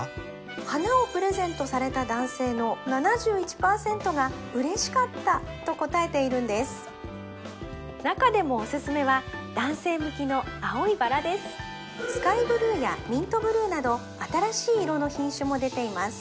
花をプレゼントされた男性の７１％が嬉しかったと答えているんです中でもおすすめは男性向きの青いバラですスカイブルーやミントブルーなど新しい色の品種も出ています